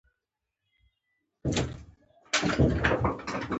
پيالې چايجوشه ته کيښودل شوې.